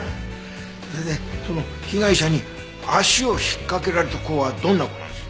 それでその被害者に足を引っかけられた子はどんな子なんです？